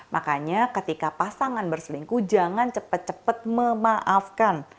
makanya ketika pasangan berselingkuh jangan cepat cepat memaafkan